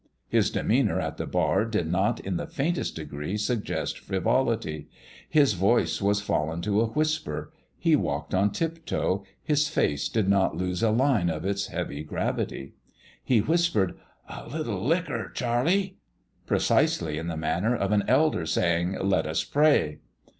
His demeanour at the bar did not in the faintest degree suggest frivolity : his voice was fallen to a whisper, he walked on tiptoe, his face did not lose a line of 62 PALE PETER'S GAME its heavy gravity. He whispered, " A HT licker, Charlie !" precisely in the manner of an elder saying, " Let us pray